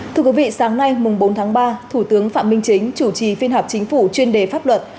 thưa quý vị sáng nay bốn tháng ba thủ tướng phạm minh chính chủ trì phiên họp chính phủ chuyên đề pháp luật